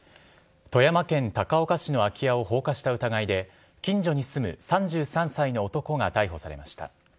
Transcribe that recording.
富山県高岡市の空き家を放火した疑いで近所に住む３３歳の男が逮捕されました。